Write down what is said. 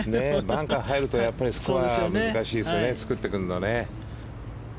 バンカー入るとやっぱりスコア難しいですよね作ってくるの。